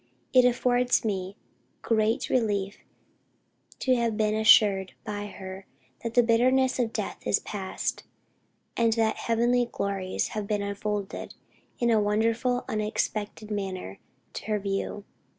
It affords me great relief to have been assured by her that the bitterness of death is past, and that heavenly glories have been unfolded in a wonderful and unexpected manner to her view."